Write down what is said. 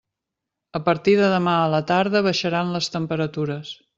A partir de demà a la tarda baixaran les temperatures.